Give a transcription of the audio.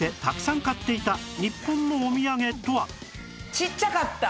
ちっちゃかった。